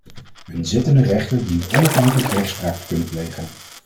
Een zittende rechter dient onafhankelijk rechtspraak te kunnen plegen.